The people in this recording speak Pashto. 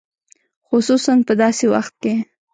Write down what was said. خصوصاً په داسې وخت کې.